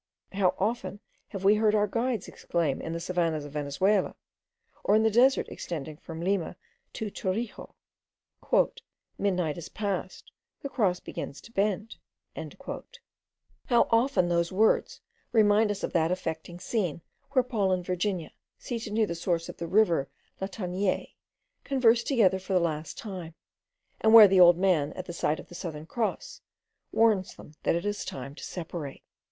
How often have we heard our guides exclaim in the savannahs of Venezuela, or in the desert extending from Lima to Truxillo, "Midnight is past, the Cross begins to bend!" How often those words reminded us of that affecting scene, where Paul and Virginia, seated near the source of the river of Lataniers, conversed together for the last time, and where the old man, at the sight of the Southern Cross, warns them that it is time to separate.